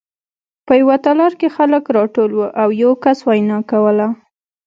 په یوه تالار کې خلک راټول وو او یو کس وینا کوله